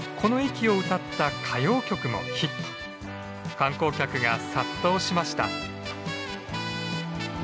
観光客が殺到しました。